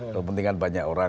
kepentingan banyak orang